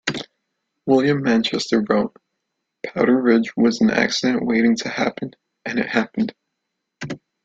William Manchester wrote: Powder Ridge was an accident waiting to happen, and it happened.